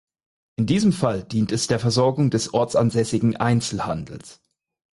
In diesem Fall dient es der Versorgung des ortsansässigen Einzelhandels.